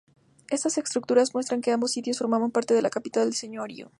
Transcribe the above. Estás estructuras muestran que ambos sitios formaban parte de la capital del señorío.